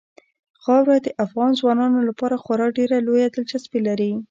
خاوره د افغان ځوانانو لپاره خورا ډېره لویه دلچسپي لري.